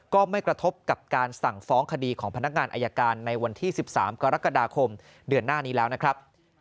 ก็ไม่กระทบกับการสั่งฟ้องคดีของพนักงานอายการในวันที่๑๓กรกฎาคมเดือนหน้านี้แล้วนะครับ